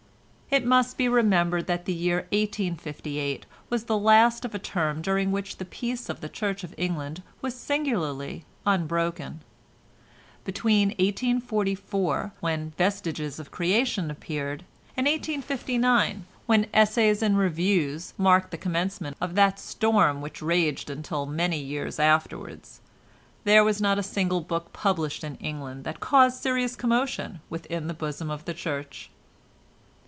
It must be remembered that the year 1858 was the last of a term during which the peace of the Church of England was singularly unbroken. Between 1844, when "Vestiges of Creation" appeared, and 1859, when "Essays and Reviews" marked the commencement of that storm which raged until many years afterwards, there was not a single book published in England that caused serious commotion within the bosom of the Church.